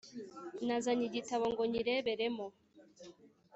Nazanye igitabo ngo nyireberemo